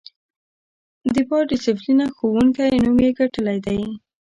د با ډسیپلینه ښوونکی نوم یې ګټلی دی.